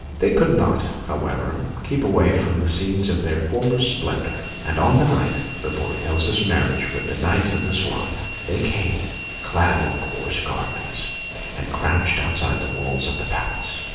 They could not, however, keep away from the scenes of their former splendour; and on the night before Elsa's marriage with the Knight of the Swan, they came, clad in their coarse garments, and crouched outside the walls of the palace.